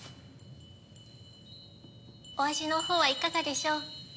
お味のほうはいかがでしょう？